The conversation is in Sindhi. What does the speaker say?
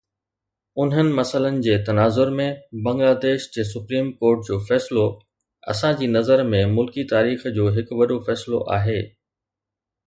انهن مسئلن جي تناظر ۾ بنگلاديش جي سپريم ڪورٽ جو فيصلو اسان جي نظر ۾ ملڪي تاريخ جو هڪ وڏو فيصلو آهي.